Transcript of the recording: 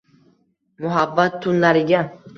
Muhabbat tunlariga